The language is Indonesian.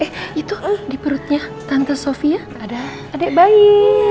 eh itu di perutnya tante sofia ada adik bayi